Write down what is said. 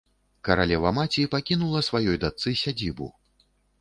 Каралева-маці пакінула сваёй дачцы сядзібу.